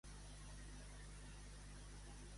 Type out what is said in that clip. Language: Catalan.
Vinga juny fresc, clar el Carme i abrasit Sant Jaume.